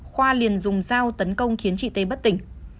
khoa liền dùng dao tấn công khiến chị t bất ngờ